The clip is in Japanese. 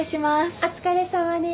お疲れさまです。